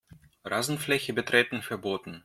Rasenfläche betreten verboten.